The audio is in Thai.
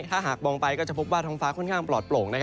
ถ้าหากมองไปก็จะพบว่าท้องฟ้าค่อนข้างปลอดโปร่ง